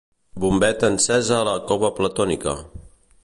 Bombeta encesa a la cova platònica.